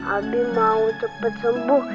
abi mau cepet sembuh